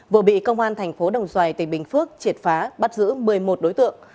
vừa bị công an thành phố đồng xoài tỉnh bình phước triệt phá bắt giữ một mươi một đối tượng